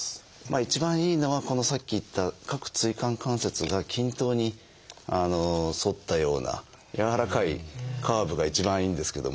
一番いいのはさっき言った各椎間関節が均等に反ったような柔らかいカーブが一番いいんですけども。